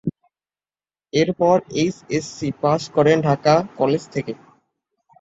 এরপর HSC pass করেন Dhaka college থেকে।